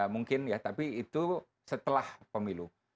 mungkin ya tapi itu setelah pemilu